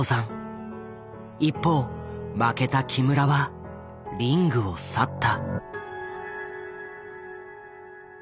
一方負けた木村はリングを去った。